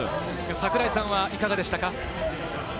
櫻井さんはいかがでしたか？